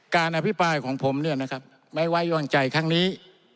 อภิปรายของผมเนี่ยนะครับไม่ไว้วางใจครั้งนี้